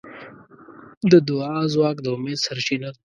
د دعا ځواک د امید سرچینه ده.